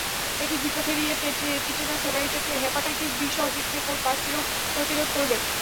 এটি diphtheria, tetanus, hepatitis বি-সহ শিশুদের মোট পাঁচটি রোগ প্রতিরোধ করবে।